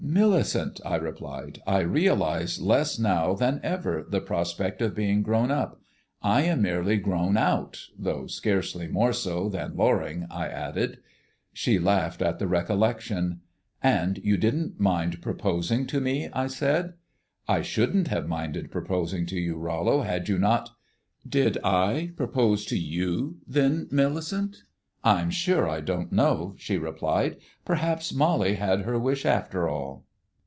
"Millicent," I replied, "I realise less now than ever the prospect of being grown up. I am merely grown out though scarcely more so than Loring," I added. She laughed at the recollection. "And you didn't mind proposing to me?" I said. "I shouldn't have minded proposing to you, Rollo, had you not " "Did I propose to you, then, Millicent?" "I'm sure I don't know," she replied. "Perhaps Mollie had her wish after all."